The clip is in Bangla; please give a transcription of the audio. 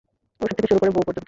ঔষধ থেকে শুরু করে, বউ পর্যন্ত।